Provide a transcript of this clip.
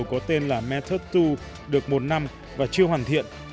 có tên là method hai được một năm và chưa hoàn thiện